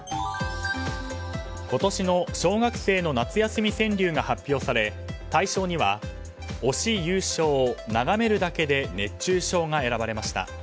今年の小学生の夏休み川柳が発表され大賞には「推し優勝眺めるだけで熱中症」が選ばれました。